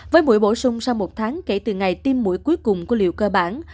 với mũi bổ sung sau một tháng kể từ ngày tiêm mũi cuối cùng của liệu cơ bản